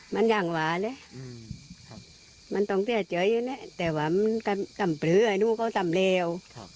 มันอย่างหวานเลยมันต้องเตรียดใจแล้วนะแต่ว่ามันทำบรรพรือนู่นเขาทำเลว